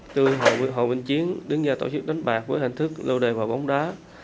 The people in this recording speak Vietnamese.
tôi hội bình chiến đứng ra tổ chức đánh bạc với hành thức lô đề vào bóng đá